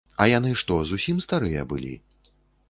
А яны што зусім старыя былі?